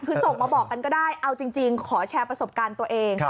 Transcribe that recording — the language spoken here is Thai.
คือส่งมาบอกกันก็ได้เอาจริงขอแชร์ประสบการณ์ตัวเอง